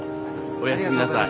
おやすみなさい。